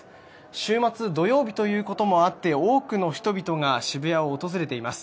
週末、土曜日ということもあって多くの人々が渋谷を訪れています。